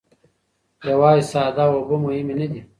یوازې ساده اوبه مهمې نه دي.